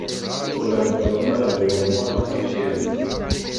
Ur ɛeṭṭleɣ ara briɣ merra i usirem.